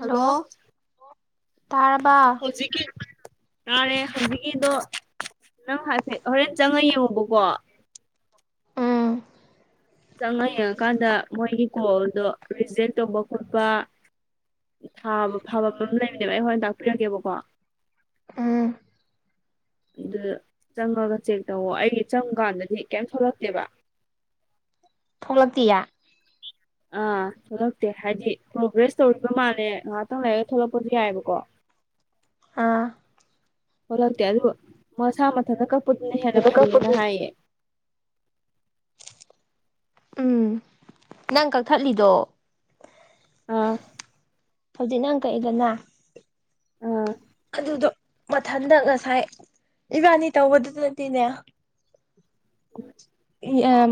Hello ꯇꯥꯔꯕ ꯍꯧꯖꯤꯛꯀꯤ ꯇꯥꯔꯦ ꯍꯧꯖꯤꯛꯀꯤꯗꯣ ꯅꯪ ꯍꯥꯏꯐꯦꯠ ꯍꯣꯔꯦꯟ ꯆꯪꯉ ꯌꯦꯡꯉꯣꯕꯀꯣ ꯎꯝ ꯆꯪꯉ ꯌꯦꯡꯉꯀꯥꯟꯗ ꯃꯣꯏꯒꯤ ꯀꯣꯜꯗꯣ ꯔꯤꯖꯦꯛ ꯇꯧꯕ ꯈꯣꯠꯄ ꯊꯥꯕ ꯐꯕꯝ ꯂꯩꯕꯅꯦꯕ ꯑꯩ ꯍꯣꯔꯦꯜ ꯇꯥꯛꯄꯤꯔꯒꯦꯕꯀꯣ ꯎꯝ ꯑꯗꯨ ꯆꯪꯉꯒ ꯆꯦꯛ ꯇꯧꯋꯣ ꯑꯩ ꯆꯪꯀꯥꯟꯗꯗꯤ ꯀꯩꯝ ꯊꯣꯛꯂꯛꯇꯦꯕ ꯊꯣꯛꯂꯛꯇꯤꯌꯥ ꯑꯥ ꯊꯣꯛꯂꯛꯇꯦ ꯍꯥꯏꯗꯤ ꯄ꯭ꯔꯣꯒ꯭ꯔꯦꯁ ꯇꯧꯔꯤꯕ ꯃꯥꯜꯂꯦ ꯉꯥꯏꯍꯥꯛꯇꯪ ꯂꯩꯔꯒ ꯊꯣꯛꯂꯛꯄꯁꯨ ꯌꯥꯏꯌꯦꯕꯀꯣ [inaudible] ꯑꯥ ꯊꯣꯛꯂꯛꯇꯦ ꯑꯗꯨꯕꯨ ꯃꯁꯥ ꯃꯊꯟꯇ ꯀꯛꯄꯗꯨꯅ ꯍꯦꯟꯅ ꯐꯩꯌꯦꯅ ꯍꯥꯏꯌꯦ ꯎꯝ ꯅꯪ ꯀꯛꯊꯠꯂꯤꯗꯣ ꯑꯥ ꯍꯧꯖꯤꯛ ꯅꯪ ꯥꯑ ꯑꯩꯒꯅ ꯑꯥ ꯑꯗꯨꯗꯣ ꯃꯊꯟꯇ ꯉꯁꯥꯏ ꯏꯕꯥꯅꯤ ꯇꯧꯕꯗꯨꯗꯗꯤꯅꯦ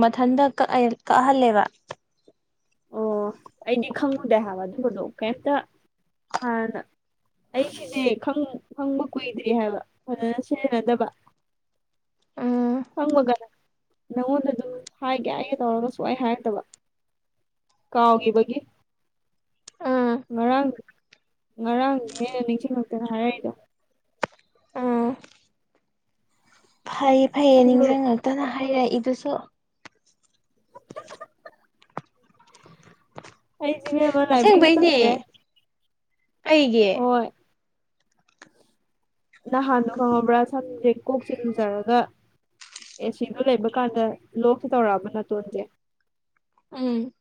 ꯃꯊꯟꯗ ꯀꯛ ꯀꯛꯍꯜꯂꯦꯕ ꯑꯣ ꯑꯩꯗꯤ ꯈꯪꯉꯨꯗꯦ ꯍꯥꯏꯕ ꯑꯗꯨꯒꯝꯕꯗꯣ ꯀꯩꯃꯇ ꯍꯥꯟꯅ ꯑꯩꯁꯨꯅꯦ ꯈꯪꯕ ꯀꯨꯏꯗ꯭ꯔꯤ ꯍꯥꯏꯕ ꯐꯖꯅ ꯁꯤꯖꯤꯟꯅꯗꯕ ꯎꯝ ꯈꯪꯉꯕꯅ ꯅꯪꯉꯣꯟꯗ ꯑꯗꯨꯝ ꯍꯥꯏꯒꯦ ꯍꯥꯏꯒꯦ ꯇꯧꯔꯒ ꯁꯨꯛꯍꯥꯏ ꯍꯥꯏꯔꯛꯇꯕ ꯀꯥꯎꯈꯤꯕꯒꯤ ꯎꯝ ꯉꯔꯥꯡ ꯉꯔꯥꯡꯅꯦ ꯅꯤꯡꯁꯤꯡꯉꯛꯇꯅ ꯍꯥꯏꯔꯛꯏꯗꯣ ꯎꯝ ꯐꯩꯌꯦ ꯐꯩꯌꯦ ꯑꯩꯁꯨ ꯅꯤꯡꯁꯤꯡꯉꯛꯇꯅ ꯍꯥꯏꯔꯛꯏꯗꯨꯁꯨ [inaudible] ꯑꯩꯁꯦ ꯏꯕꯦꯝꯃ ꯂꯥꯏꯕ꯭ꯔꯦꯔꯤꯒ ꯑꯁꯦꯡꯕꯩꯅꯦ ꯆꯠꯇ꯭ꯔꯦ ꯑꯩꯒꯤ ꯍꯣꯏ ꯅꯍꯥꯟꯗꯣ ꯈꯪꯉꯕ꯭ꯔꯥ ꯁꯝꯁꯦ ꯀꯣꯛꯁꯦ ꯂꯨꯖꯔꯒ ꯑꯦ ꯁꯤꯗꯣ ꯂꯩꯕ ꯀꯥꯟꯗ ꯂꯣꯛꯁꯦ ꯇꯧꯔꯛꯑꯕ ꯅꯇꯣꯟꯁꯦ ꯎꯝ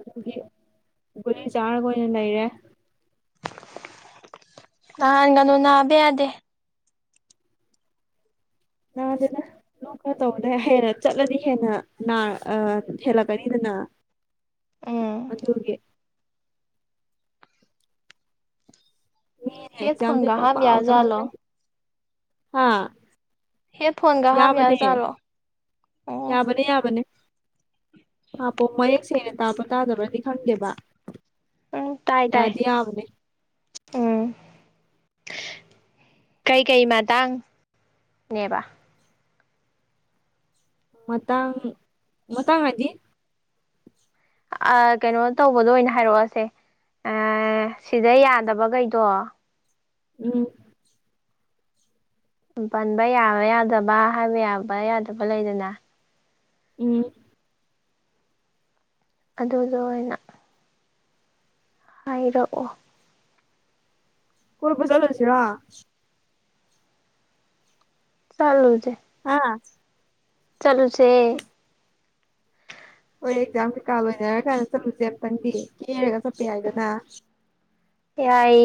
ꯑꯗꯨꯒꯤ ꯒꯨꯂꯤ ꯆꯥꯔꯒ ꯑꯣꯏꯅ ꯂꯩꯔꯦ ꯅꯍꯥꯟꯒꯅꯨ ꯅꯥꯕ ꯌꯥꯗꯦ ꯅꯗꯦꯗ ꯇꯧꯕꯗ ꯍꯦꯟꯅ ꯆꯠꯂꯗꯤ ꯍꯦꯟꯅ ꯅꯥ ꯍꯦꯜꯂꯛꯀꯅꯤꯗꯅ ꯎꯝ ꯑꯗꯨꯒꯤ ꯃꯤꯅ ꯍꯦꯠ ꯑꯦꯛꯖꯥꯝꯁꯦ ꯐꯣꯟꯒ ꯍꯥꯞ ꯄꯪꯐꯥꯎꯗ ꯌꯥꯖꯥꯠꯂꯣ ꯐꯥꯎꯅꯩ ꯍꯥ ꯍꯦꯠ ꯐꯣꯟꯒ ꯍꯥꯞ ꯌꯥꯕꯅꯦ ꯌꯥꯖꯥꯠꯂꯣ ꯑꯣ ꯌꯥꯕꯅꯦ ꯌꯥꯕꯅꯦ ꯍꯥꯟꯄꯣ ꯃꯌꯦꯛ ꯁꯦꯡꯅ ꯇꯥꯕ ꯇꯥꯗꯕꯗꯤ ꯈꯪꯗꯦꯕ ꯎꯝ ꯇꯥꯏ ꯇꯥꯏ ꯌꯥꯗꯤ ꯎꯝ [inaudible] ꯀꯩꯀꯩ ꯃꯇꯥꯡꯅꯦꯕ ꯃꯇꯥꯡ ꯃꯇꯥꯡ ꯍꯥꯏꯗꯤ ꯑꯥ ꯀꯩꯅꯣ ꯇꯧꯕꯗꯣ ꯑꯣꯏꯅ ꯍꯥꯏꯔꯛꯑꯣꯁꯦ ꯁꯤꯗ ꯌꯥꯗꯕꯈꯩꯗꯣ ꯎꯝ ꯎꯝ ꯄꯟꯕ ꯌꯥꯕ ꯌꯥꯗꯕ ꯍꯥꯏꯕ ꯌꯥꯕ ꯌꯥꯗꯕ ꯂꯩꯗꯅ ꯎꯝ ꯑꯗꯨꯗꯣ ꯑꯣꯏꯅ ꯍꯥꯏꯔꯛꯑꯣ ꯀꯣꯏꯕ ꯆꯠꯂꯨꯁꯤꯔꯣ ꯆꯠꯂꯨꯁꯦ ꯍꯥꯥ ꯆꯠꯂꯨꯁꯤ ꯍꯣꯏ ꯑꯦꯛꯖꯥꯝ ꯀꯩꯀꯥ ꯂꯣꯏꯅꯔ ꯀꯥꯟꯗ ꯆꯠꯂꯨꯁꯦ ꯑꯃꯨꯛꯇꯪꯗꯤ ꯀꯦꯔꯒ ꯆꯠꯄ ꯌꯥꯏꯗꯅ ꯌꯥꯏ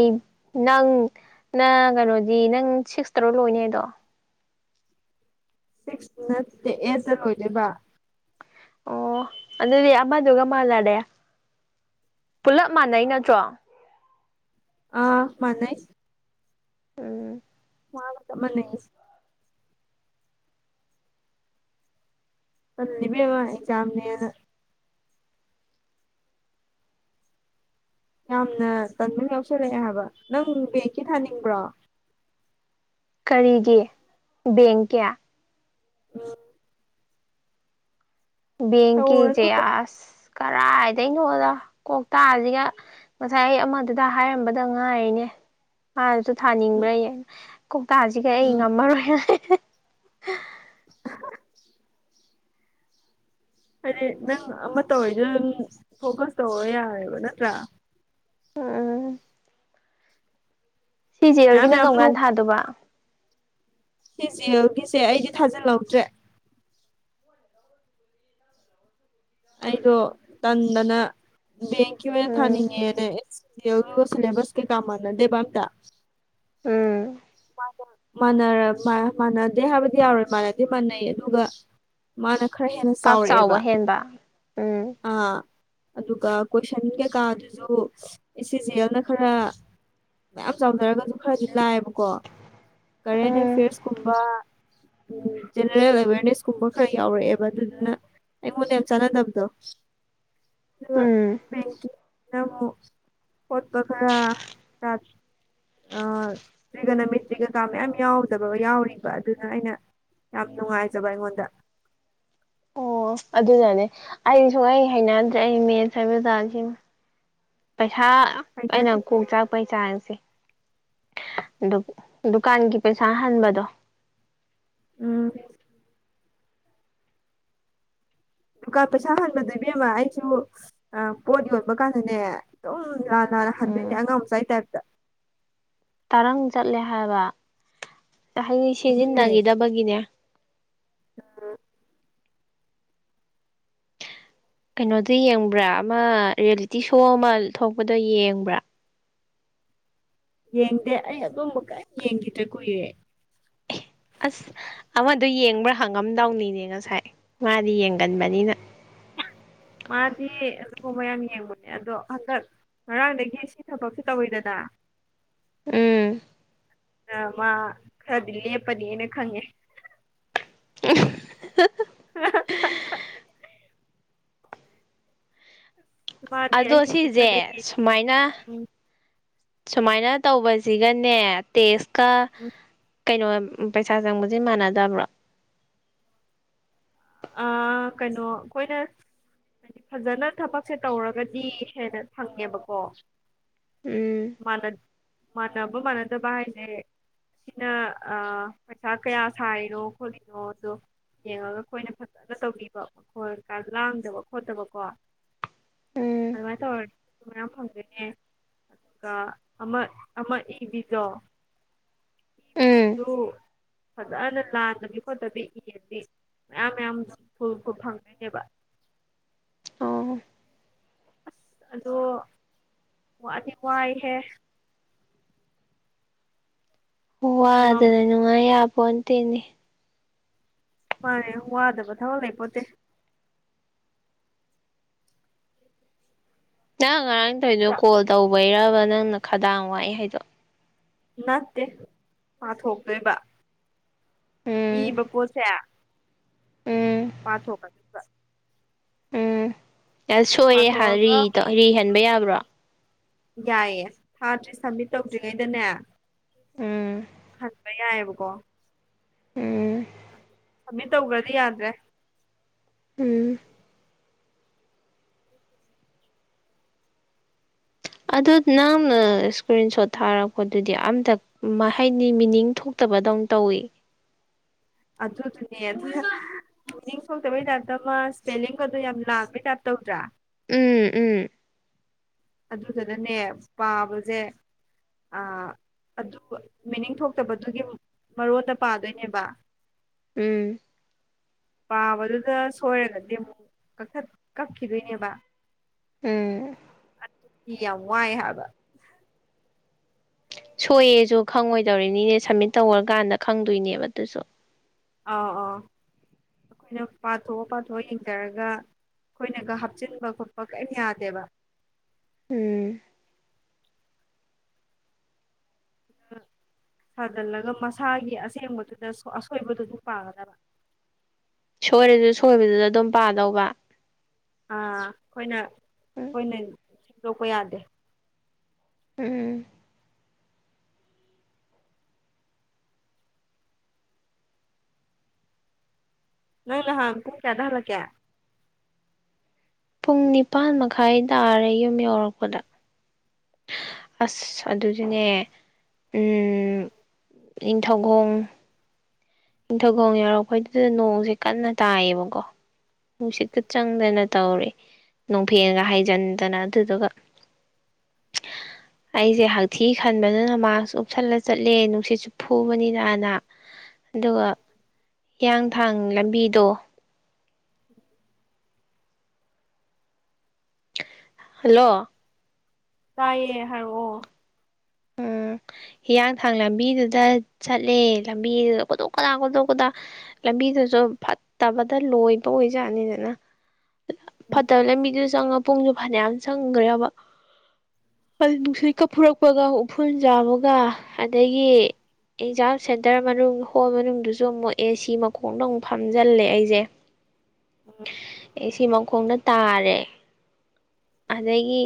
ꯅꯪ ꯅꯪ ꯀꯩꯅꯣꯗꯤ ꯅꯪ ꯁꯤꯛꯁ ꯇꯔꯥ ꯂꯣꯏꯅꯤ ꯍꯥꯏꯗꯣ ꯁꯤꯛꯁ ꯅꯠꯇꯦ ꯑꯩꯠꯇ ꯂꯣꯏꯗꯣꯏꯕ ꯑꯣ ꯑꯗꯨꯗꯤ ꯑꯃꯗꯨꯒ ꯃꯥꯟꯅꯔꯦ ꯄꯨꯂꯞ ꯃꯥꯟꯅꯩ ꯅꯠꯇ꯭ꯔꯣ ꯑꯥ ꯃꯥꯟꯅꯩ ꯎꯝ ꯋꯥꯕ ꯆꯞ ꯃꯥꯟꯅꯩ ꯍꯥꯏꯖꯤ ꯇꯜꯂꯤ ꯏꯕꯦꯝꯃꯥ ꯑꯦꯛꯖꯥꯝꯅꯦꯅ ꯌꯥꯝꯅ ꯇꯟꯕ ꯑꯝ ꯌꯥꯎꯁꯜꯂꯛꯑꯦ ꯍꯥꯏꯕ ꯅꯪ ꯕꯦꯡꯀꯤ ꯊꯥꯅꯤꯡꯕ꯭ꯔꯣ ꯀꯔꯤꯒꯤ ꯕꯦꯡꯀꯤ ꯎꯝ ꯕꯦꯡꯀꯤꯖꯦ ꯇꯧꯔꯅꯨꯗ ꯑꯥꯁ ꯀꯔꯥꯏꯗꯩꯅꯣꯗ ꯀꯣꯛꯇꯥꯖꯤꯒ ꯉꯁꯥꯏ ꯑꯩ ꯑꯃꯥꯗꯨꯗ ꯍꯥꯏꯔꯝꯕꯗ ꯉꯥꯏꯅꯦ ꯃꯥꯅꯖꯨ ꯎꯝ ꯊꯥꯅꯤꯡꯕ꯭ꯔꯥꯌꯦ ꯀꯣꯛꯇꯥꯖꯤꯒ ꯎꯝ ꯑꯩ ꯉꯝꯃꯔꯣꯏꯅ [unintelligible] ꯍꯥꯏꯗꯤ ꯅꯪ ꯑꯃꯥ ꯇꯧꯔꯤꯗ ꯑꯗꯨꯝ ꯐꯣꯀꯁ ꯇꯧꯔ ꯌꯥꯔꯦꯕ ꯅꯠꯇ꯭ꯔꯥ ꯑ ꯁꯤ ꯖꯤ ꯃꯌꯥꯝ ꯑꯦꯜꯒꯤꯅ ꯃꯌꯥꯝ ꯀꯝꯀꯥꯟ ꯂꯣꯛ ꯊꯥꯗꯨꯕ ꯁꯤ ꯖꯤ ꯑꯦꯜꯒꯤꯁꯦ ꯑꯩꯗꯤ ꯊꯥꯖꯜꯍꯧꯗ꯭ꯔꯦ ꯑꯩꯗꯣ ꯇꯟꯗꯅ ꯕꯦꯡꯀꯤ ꯑꯣꯏꯅ ꯎꯝ ꯊꯥꯅꯤꯡꯉꯦꯅꯦ ꯒꯦꯜꯗꯨꯒ ꯁꯤꯂꯦꯕꯁ ꯀꯩꯀꯥ ꯃꯥꯟꯅꯗꯦꯕ ꯑꯝꯇ ꯎꯝ ꯃꯥꯟꯅꯔ ꯃ ꯃꯥꯟꯅꯗꯦ ꯍꯥꯏꯕꯗꯤ ꯌꯥꯔꯣꯏ ꯃꯥꯟꯅꯗꯤ ꯃꯥꯟꯅꯩ ꯑꯗꯨꯒ ꯃꯥꯅ ꯈꯔ ꯍꯦꯟꯅ ꯄꯥꯛ ꯆꯥꯎꯔꯛꯑꯦꯕ ꯆꯥꯎꯕ ꯍꯦꯟꯕ ꯎꯝ ꯑꯥ ꯑꯗꯨꯒ ꯀꯣꯏꯁꯟ ꯀꯩꯀꯥ ꯗꯨꯖꯨ ꯁꯤ ꯖꯤ ꯑꯦꯜꯅ ꯈꯔ ꯃꯌꯥꯝ ꯆꯥꯎꯅꯔꯒꯖꯨ ꯈꯔꯗꯤ ꯂꯥꯏꯕꯀꯣ ꯀꯔꯦꯟ ꯎꯝ ꯑꯦꯐ꯭ꯌꯔꯁꯀꯨꯝꯕ ꯎꯝ ꯖꯦꯅꯔꯦꯜ ꯑꯦꯋꯦꯔꯅꯦꯁ ꯀꯨꯝꯕ ꯈꯔ ꯌꯥꯎꯔꯛꯑꯦꯕ ꯑꯗꯨꯗꯨꯅ ꯑꯩꯉꯣꯟꯗ ꯌꯥꯝ ꯆꯥꯟꯅꯗꯕꯗꯣ [inaudible] ꯗꯨꯒ ꯎꯝ ꯕꯦꯡꯀꯤꯡ ꯅ ꯑꯃꯨꯛ ꯍꯣꯠꯄ ꯈꯔ ꯑ ꯇ꯭ꯔꯤꯒꯅꯃꯤꯇ꯭ꯔꯤꯒꯀꯥ ꯃꯌꯥꯝ ꯌꯥꯎꯗꯕ ꯌꯥꯎꯔꯤꯕ ꯑꯗꯨꯅ ꯑꯩꯅ ꯌꯥꯝ ꯅꯨꯡꯉꯥꯏꯖꯕ ꯑꯩꯉꯣꯟꯗ ꯑꯣ ꯑꯗꯨꯗꯅꯦ ꯑꯩ ꯁꯨꯨꯡꯍꯩ ꯍꯩꯅꯗ꯭ꯔꯦ ꯑꯩ ꯃꯦꯠꯁ ꯍꯥꯏꯕ ꯖꯥꯠꯖꯦ ꯄꯩꯁꯥ ꯑꯩꯅ ꯍꯩꯅꯗꯦ ꯀꯣꯛ ꯆꯥꯛꯄꯩ ꯆꯥꯡꯖꯦ ꯗꯨꯞ ꯗꯨꯀꯥꯟꯒꯤ ꯄꯩꯁꯥ ꯍꯟꯕꯗꯣ ꯎꯝ ꯗꯨꯀꯥꯟ ꯄꯩꯁꯥꯍꯟꯕꯗꯨ ꯏꯕꯦꯝꯃꯥ ꯑꯩꯆꯨ ꯑꯥ ꯄꯣꯠꯌꯣꯟꯕ ꯀꯥꯟꯗꯅꯦ ꯑꯗꯨꯝ ꯂꯥꯟꯅ ꯎꯝ ꯍꯟꯗꯣꯏꯅꯦ ꯑꯉꯥꯡ ꯃꯆꯥꯥꯏ ꯇꯥꯏꯞꯇ ꯇꯔꯪ ꯆꯠꯂꯦ ꯍꯥꯏꯕ ꯇ ꯍꯥꯏꯗꯤ ꯑꯗꯨꯅꯦ ꯁꯤꯖꯤꯟꯅꯒꯤꯗꯕꯒꯤꯅꯦ ꯀꯩꯅꯣꯗꯣ ꯌꯦꯡꯕ꯭ꯔꯥ ꯑꯃꯥ ꯔ꯭ꯌꯦꯜꯂꯤꯇꯤ ꯁꯣ ꯑꯃꯥ ꯊꯣꯛꯄꯗꯣ ꯌꯦꯡꯕ꯭ꯔꯥ ꯌꯦꯡꯗꯦ ꯑꯩ ꯑꯗꯨꯝꯕ ꯀꯩꯝ ꯌꯦꯡꯒꯤꯗ꯭ꯔꯦ ꯀꯨꯏꯔꯦ ꯑꯁ ꯑꯃꯥꯗꯣ ꯌꯦꯡꯕ꯭ꯔꯥ ꯍꯪꯉꯝꯗꯧꯅꯤꯅꯦ ꯉꯁꯥꯏ ꯃꯥꯗꯤ ꯌꯦꯡꯒꯟꯕꯅꯤꯅ ꯃꯥꯗꯤ ꯑꯗꯨꯨꯒꯨꯝꯕ ꯌꯥꯝ ꯌꯦꯡꯕꯅꯦ ꯑꯗꯣ ꯍꯟꯗꯛ ꯉꯔꯥꯡꯗꯒꯤ ꯁꯤ ꯊꯕꯛꯁꯦ ꯇꯧꯋꯤꯗꯅ ꯎꯝ ꯑ ꯃꯥ ꯈꯔꯗꯤ ꯂꯦꯞꯄꯅꯤ ꯑꯩꯅ ꯈꯪꯉꯦ [unintelligible] ꯃꯥꯗꯤ ꯑꯗꯣ ꯑꯍꯤꯡ ꯁꯤꯁꯦ ꯇꯨꯝꯗꯒꯩ ꯁꯨꯃꯥꯏꯅ ꯌꯦꯡꯉꯤ ꯁꯨꯃꯥꯏꯅ ꯇꯧꯕꯖꯤꯒꯅꯦ ꯇꯦꯁꯀ ꯀꯩꯅꯣ ꯄꯩꯁꯥ ꯆꯪꯕꯖꯦ ꯃꯥꯟꯅꯗꯕ꯭ꯔꯣ ꯑꯥ ꯀꯩꯅꯣ ꯈꯣꯏꯅ ꯐꯖꯅ ꯊꯕꯛꯁꯦ ꯇꯧꯔꯒꯗꯤ ꯍꯦꯟꯅ ꯐꯪꯉꯦꯕꯀꯣ ꯎꯝ ꯃꯅꯠ ꯃꯅꯕ ꯃꯅꯥꯗꯕ ꯍꯥꯏꯖꯦ ꯁꯤꯅ ꯑꯥ ꯄꯩꯁꯥ ꯀꯌꯥ ꯁꯥꯔꯤꯅꯣ ꯈꯣꯠꯂꯤꯅꯣ ꯇꯣ ꯌꯦꯡꯉꯒ ꯑꯩꯈꯣꯏꯅ ꯐꯖꯟꯅ ꯇꯧꯕꯤꯕ ꯈꯣꯏ ꯑꯥꯖꯂꯥꯡꯗꯕ ꯈꯣꯠꯇꯕꯀꯣ ꯎꯝ ꯑꯗꯨꯃꯥꯏꯅ ꯇꯧꯔꯠ ꯃꯌꯥꯝ ꯐꯪ ꯒ ꯅꯦ ꯀꯥ ꯑꯃꯠ ꯑꯃꯠ ꯍꯤꯟꯗꯤ ꯖꯣ ꯎꯝ ꯗꯨ ꯐꯖꯟꯅ ꯂꯥꯟꯗꯕꯤ ꯈꯣꯠꯇꯕꯤ ꯏꯔꯗꯤ ꯃꯌꯥꯝ ꯃꯌꯥꯝ ꯐꯡ ꯐꯨꯜ ꯐꯨꯜ ꯐꯪꯗꯣꯏꯅꯦꯕ ꯑꯣ ꯑꯁ ꯑꯗꯣ ꯋꯥꯗꯤ ꯋꯥꯏꯍꯦ ꯉꯝ ꯋꯥꯗꯅ ꯅꯨꯡꯉꯥꯏ ꯌꯥꯄꯣꯟ ꯇꯦꯅꯦ ꯃꯥꯅꯦ ꯋꯥꯗꯕ ꯊꯕꯛ ꯂꯩ ꯄꯣꯠꯇꯦ ꯅꯪ ꯉꯔꯥꯡ ꯇꯣꯏꯗꯣ ꯀꯣꯜ ꯇꯧꯕꯩꯔꯕ ꯅꯪꯅ ꯈꯗꯥꯡ ꯋꯥꯏ ꯍꯩꯗꯣ ꯅꯠꯇꯦ ꯄꯥꯊꯣꯛꯇꯣꯏꯕ ꯎꯝ ꯏꯕ ꯄꯣꯠꯁꯦ ꯎꯝ ꯄꯥꯊꯣꯛꯀꯗꯣꯢꯕ ꯑꯁ ꯁꯣꯏꯔꯦ ꯍꯥꯏ ꯄꯥꯊꯣꯛꯑꯒ ꯔꯤꯇ ꯔꯤ ꯍꯟꯕ ꯌꯥꯕ꯭ꯔꯣ ꯌꯥꯏꯌꯦꯦ ꯊꯥꯗ꯭ꯔꯤ ꯁꯕꯃꯤꯠ ꯇꯧꯗ꯭ꯔꯤꯉꯩꯗꯅꯦ ꯎꯝ ꯍꯥꯟ ꯀ ꯌꯥꯏꯑꯕꯀꯣ ꯎꯝ ꯑꯥꯃꯤꯠ ꯇꯧꯈ꯭ꯔꯗꯤ ꯌꯥꯗ꯭ꯔꯦ ꯎꯝ [inaudible] ꯑꯗꯨ ꯅꯪꯅ ꯏꯁꯀ꯭ꯔꯤꯟ ꯁꯣꯠ ꯊꯥꯔꯛꯄꯗꯨꯗꯤ ꯑꯝꯇꯛ ꯃꯍꯩꯅꯤ ꯃꯤꯅꯤꯡ ꯊꯣꯛꯇꯕꯗꯧꯅ ꯇꯧꯋꯤ ꯑꯗꯨ ꯗꯨꯨꯅꯦ [unintelligible] ꯃꯅꯤꯡ ꯊꯣꯛꯣꯛꯇꯕꯩ ꯇꯥꯏꯞꯇ ꯃꯥ ꯏꯁꯄꯦꯂꯤꯡ ꯈꯠꯇꯣ ꯌꯥꯝ ꯂꯥꯟꯕꯩ ꯇꯥꯏꯞ ꯇꯧꯗ꯭ꯔꯥ ꯎꯝ ꯎꯝ ꯑꯗꯨꯗꯨꯅꯅꯦ ꯄꯥꯕꯖꯦ ꯑꯥ ꯑꯗꯨ ꯕꯨ ꯃꯤꯅꯤꯡ ꯊꯣꯛꯇꯕꯗꯨꯒꯤ ꯃꯔꯣꯠꯇ ꯄꯥꯗꯣꯏꯅꯦꯕ ꯎꯝ ꯄꯥꯕꯗꯨꯗ ꯁꯣꯏꯔꯒꯗꯤ ꯃꯨꯛ ꯀꯛꯊꯠ ꯀꯛꯈꯤꯗꯣꯏꯅꯦꯕ ꯎꯝ ꯑꯗꯨ ꯒꯤ ꯌꯥꯝ ꯋꯥꯏ ꯍꯥꯏꯕ ꯁꯣꯏꯌꯦꯁꯨ ꯈꯪꯉꯣꯏꯗꯧꯔꯤꯅꯤꯅꯦ ꯁꯝꯃꯤꯠ ꯇꯧꯔꯀꯥꯟꯗ ꯈꯪꯗꯣꯏꯅꯦꯕ ꯗꯨꯁꯨ ꯑꯥꯎ ꯑꯥꯎ ꯑꯩꯈꯣꯏꯅ ꯄꯥꯊꯣꯛꯑ ꯄꯥꯊꯣꯛꯑ ꯌꯦꯡꯖꯔꯒ ꯑꯩꯈꯣꯏꯅꯒ ꯍꯥꯞꯆꯤꯟꯕ ꯈꯣꯠꯄ ꯀꯔꯤꯝ ꯌꯥꯗꯦꯕ ꯎꯝ ꯁꯥꯖꯤꯜꯂꯒ ꯃꯁꯥꯒꯤ ꯑꯁꯦꯡꯕꯗꯨꯗ ꯁꯣ ꯑꯁꯣꯏꯕꯗꯨꯁꯨ ꯄꯥꯒꯗꯕ ꯁꯣꯏꯔꯁꯨ ꯁꯣꯏꯕꯗꯨꯗ ꯗꯨꯝ ꯄꯥꯗꯧꯕ ꯑ ꯈꯣꯏꯅ ꯎꯝ ꯈꯣꯏꯅ ꯁꯦꯡ ꯗꯣꯛꯄ ꯌꯥꯗꯦ ꯎꯝ ꯅꯪ ꯅꯍꯪ ꯄꯨꯡ ꯀꯌꯥꯗ ꯍꯜꯂꯛꯀꯦ ꯄꯨꯡ ꯅꯤꯄꯥꯥꯟ ꯃꯈꯥꯏ ꯇꯥꯔꯦ ꯌꯨꯝ ꯌꯧꯔꯛꯄꯗ ꯑꯁ ꯑꯗꯨꯗꯨꯅꯦ ꯎꯝ ꯅꯤꯡꯊꯧꯒꯣꯡ ꯅꯤꯡꯊꯧꯒꯣꯡ ꯌꯥꯎꯔꯛꯄꯩꯗꯨꯗ ꯅꯣꯡꯁꯦ ꯀꯟꯅ ꯇꯥꯏꯌꯦꯕꯀꯣ ꯅꯨꯡꯁꯤꯠꯀ ꯆꯪꯗꯅ ꯇꯧꯤꯔꯤꯌꯦ ꯅꯨꯡꯐꯦꯟꯒ ꯍꯥꯏꯖꯤꯟꯗꯅ ꯑꯗꯨꯗꯨꯒ [inaudible] ꯑꯩꯁꯦ ꯍꯛꯊꯤ ꯈꯟꯕꯗꯅ ꯃꯥꯛꯁ ꯎꯞꯁꯜꯂ ꯆꯠꯂꯦ ꯅꯨꯡꯁꯤꯠꯁꯨ ꯐꯨꯕꯅꯤꯅꯅ ꯑꯗꯨꯒ ꯍꯤꯌꯥꯡꯊꯥꯡ ꯂꯝꯕꯤꯗꯣ [inaudible] ꯍꯜꯂꯣ ꯇꯥꯏꯌꯦ ꯍꯥꯏꯔꯛꯑꯣ [inaudible] ꯍꯤꯌꯥꯡꯊꯥꯡ ꯂꯝꯕꯤꯗꯨꯗ ꯆꯠꯂꯦ ꯂꯝꯕꯤꯗꯨꯗ ꯀꯣꯠꯇꯣꯛꯀꯗꯥ ꯈꯣꯠꯇꯣꯛꯀꯗ ꯂꯝꯕꯤꯗꯨꯁꯨ ꯐꯠꯇꯕꯗ ꯂꯣꯏꯕ ꯑꯣꯏꯖꯥꯠꯅꯤꯗꯅ ꯐꯠꯇꯔ ꯂꯝꯕꯤꯗꯨꯁꯨ ꯆꯪꯉ ꯄꯨꯡꯁꯨꯨ ꯐꯥꯅꯌꯥꯝ ꯆꯪꯈ꯭ꯔꯕ ꯑꯗꯨ ꯅꯨꯡꯁꯤꯠꯀ ꯐꯨꯔꯛꯄꯒ ꯎꯐꯨꯜ ꯆꯥꯕꯒ ꯑꯗꯒꯤ ꯑꯦꯛꯖꯥꯝ ꯁꯦꯟꯇꯔ ꯃꯅꯨꯡ ꯍꯣꯜ ꯃꯅꯨꯡꯗꯨꯁꯨ ꯑꯃꯨꯛ ꯑꯦ ꯁꯤ ꯃꯈꯣꯡꯗ ꯑꯃꯨꯛ ꯐꯝꯖꯤꯜꯂꯦ ꯑꯩꯁꯦ ꯑꯦ ꯁꯤ ꯃꯈꯣꯡ ꯇꯥꯔꯦ ꯑꯗꯒꯤ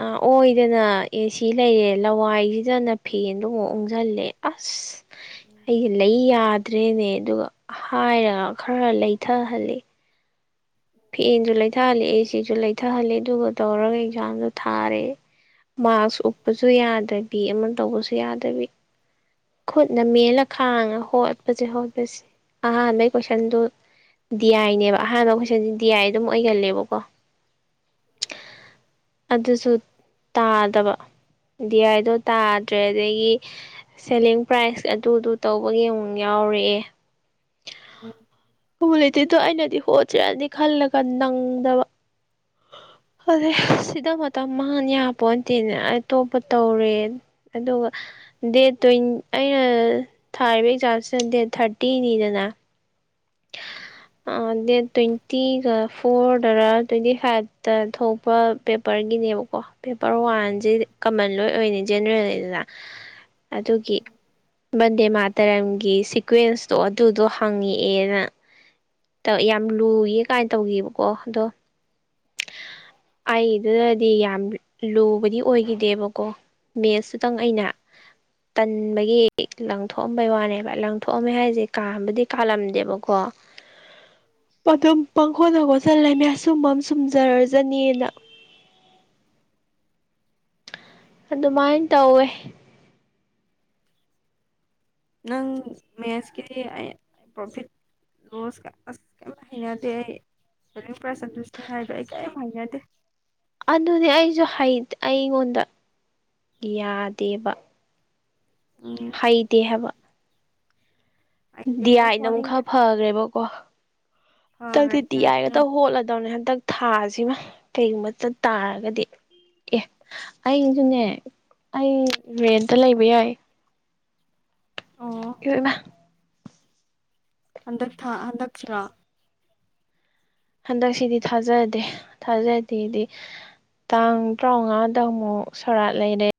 ꯑꯥ ꯑꯣꯏꯗꯅ ꯑꯦ ꯁꯤ ꯂꯩꯌꯦ ꯂꯋꯥꯏꯁꯤꯗꯅ ꯐꯦꯟꯗꯨ ꯑꯃꯨꯛ ꯎꯨꯁꯤꯜꯂꯦ ꯑꯁ ꯑꯩꯁꯦ ꯂꯩ ꯌꯥꯗ꯭ꯔꯦꯅꯦ ꯑꯗꯨꯒ ꯍꯥꯏꯔꯒ ꯈꯔ ꯂꯩꯊꯍꯜꯂꯦ ꯐꯦꯟꯁꯨ ꯂꯩꯊꯍꯜꯂꯦ ꯑꯦ ꯁꯤꯁꯨ ꯂꯩꯊꯍꯜꯂꯦ ꯑꯗꯨꯒ ꯇꯧꯔꯒ ꯑꯦꯛꯖꯥꯝꯁꯨ ꯊꯥꯔꯦ ꯃꯥꯛꯁ ꯎꯞꯄꯁꯨ ꯌꯥꯗꯕꯤ ꯑꯃ ꯇꯧꯕꯁꯨ ꯌꯥꯗꯕꯤ ꯈꯨꯠꯅ ꯃꯦꯜꯂ ꯈꯥꯡꯉ ꯍꯣꯠꯄꯁꯤ ꯍꯣꯠꯄꯁꯤ ꯑꯍꯥꯟꯕꯩ ꯀꯣꯏꯁꯟꯗꯨ ꯗꯤ ꯑꯥꯏꯅꯦꯕ ꯑꯍꯥꯟꯕ ꯀꯣꯏꯁꯟꯁ ꯗꯤ ꯑꯥꯏ ꯑꯗꯨꯝ ꯑꯣꯏꯒꯜꯂꯦꯕꯀꯣ ꯑꯗꯨꯁꯨ ꯇꯥꯗꯕ ꯗꯤ ꯑꯥꯏꯗꯣ ꯇꯥꯗ꯭ꯔꯦ ꯑꯗꯒꯤ ꯁꯦꯂꯤꯡ ꯄ꯭ꯔꯥꯏꯖ ꯑꯗꯨꯗꯨ ꯇꯧꯕꯒꯤ ꯑꯃꯨꯛ ꯌꯥꯎꯔꯛꯑꯦ [inaudible] [unintelligible] ꯑꯩꯅꯗꯤ ꯍꯣꯠꯁꯦꯔꯗꯤ ꯈꯜꯂꯒ ꯅꯪꯗꯕ ꯑꯔꯦ ꯁꯤꯗ ꯃꯇꯝ ꯃꯥꯡꯍꯟ ꯌꯥꯄꯣꯟꯇꯦꯅ ꯑꯇꯣꯞꯄ ꯇꯧꯔꯦ ꯑꯗꯨꯒ ꯗꯦꯠ ꯇ꯭ꯋꯦꯟ ꯑꯩꯅ ꯊꯥꯔꯤꯕ ꯑꯦꯛꯖꯥꯝꯁꯤꯅ ꯗꯦꯠ ꯊꯥꯔꯇꯤꯅꯤꯗꯅ ꯑꯥ ꯗꯦꯠ ꯇ꯭ꯋꯦꯟꯇꯤꯒ ꯐꯣꯔꯗꯔꯥ ꯇ꯭ꯋꯦꯟꯇꯤ ꯐꯥꯏꯚꯇ ꯊꯣꯛꯄ ꯄꯦꯄꯔꯒꯤꯅꯦꯕꯀꯣ ꯄꯦꯄꯔ ꯋꯥꯟꯁꯦ ꯀꯃꯟ ꯂꯣꯏ ꯑꯣꯏꯅ ꯖꯦꯅꯔꯦꯜꯅꯤꯗꯅ [inaudible] ꯑꯗꯨꯒꯤ ꯕꯟꯗꯦ ꯃꯥꯇꯔꯝꯒꯤ ꯁꯤꯀ꯭ꯋꯦꯟꯁꯇꯣ ꯑꯗꯨꯗꯣ ꯍꯪꯉꯤ ꯑꯦꯅ ꯌꯥꯝ ꯂꯨꯌꯦ ꯀꯥꯏꯅ ꯇꯧꯒꯤꯕꯀꯣ ꯑꯗꯣ ꯑꯩꯗꯨꯗꯗꯤ ꯌꯥꯝ ꯂꯨꯕꯗꯤ ꯑꯣꯏꯈꯤꯗꯦꯕꯀꯣ ꯃꯦꯠꯁ ꯇꯨꯇꯪ ꯑꯩꯅ ꯇꯟꯕꯒꯤ ꯂꯪꯊꯣꯛꯑꯝꯕꯩ ꯋꯥꯅꯦꯕ ꯂꯪꯊꯣꯛꯑꯝꯃꯦ ꯍꯥꯏꯁꯦ ꯀꯥꯟꯕꯨꯗꯤ ꯀꯥꯜꯂꯝꯗꯦꯕꯀꯣ [inaudible] ꯑꯗꯨꯝ ꯄꯥꯡꯈꯣꯠꯇ ꯈꯣꯠꯆꯜ ꯂꯝꯃꯦ ꯑꯆꯨꯝꯕ ꯝꯥ ꯆꯨꯝꯖꯔꯖꯅꯤꯅ ꯑꯗꯨꯃꯥꯏ ꯇꯧꯋꯦ ꯅꯪ ꯃꯦꯠꯁꯀꯤ ꯑꯩ ꯄ꯭ꯔꯣꯐꯤꯠ ꯔꯣꯁꯀ ꯑꯁ ꯀꯩꯝ ꯍꯩꯅꯗꯦ ꯑꯩ ꯁꯦꯂꯤꯡ ꯄ꯭ꯔꯥꯏꯁ ꯑꯗꯨ ꯁꯤ ꯍꯥꯏꯗꯣ ꯑꯩ ꯀꯔꯤꯝ ꯍꯥꯏꯅꯗꯦ ꯑꯗꯨꯅꯦ ꯑꯩꯁꯨ ꯍꯩ ꯑꯩꯉꯣꯟꯗ ꯌꯥꯗꯦꯕ ꯎꯝ ꯍꯩꯇꯦ ꯍꯥꯏꯕ ꯑꯩꯗꯤ ꯗꯤ ꯍꯣꯠꯁꯨ ꯑꯥꯏꯅ ꯑꯃꯨꯛ ꯍꯣꯠꯅꯤꯡꯗꯦ ꯈꯔ ꯐꯈ꯭ꯔꯦꯕꯀꯣ ꯍꯟꯗꯛꯇꯤ ꯐꯈ꯭ꯔꯗꯤ ꯗꯤ ꯑꯥꯏ ꯌꯥꯔꯦ ꯉꯥꯛꯇ ꯅꯪꯕꯨ ꯍꯣꯠꯂꯗꯕꯅꯦ ꯍꯟꯗꯛ ꯊꯥꯁꯤꯃ ꯀꯩꯒꯨꯝꯕ ꯆꯠ ꯇꯥꯔꯒꯗꯤ ꯑꯦ ꯑꯩꯁꯨꯅꯦ ꯑꯩ ꯔꯦꯟꯠꯇ ꯂꯩꯕ ꯌꯥꯏ꯫ ꯑꯣ ꯏꯌꯣꯢꯃꯥ ꯍꯟꯗꯛ ꯊꯥ ꯍꯟꯗꯛꯁꯤꯔꯣ? ꯍꯟꯗꯛꯁꯤꯗꯤ ꯊꯥꯖꯗꯦ ꯊꯥꯖꯗꯦꯗꯤ ꯇꯥꯡ ꯇꯔꯥꯉꯥꯗꯃꯨꯛ ꯁꯣꯔꯥꯠ ꯂꯩꯔꯦ꯫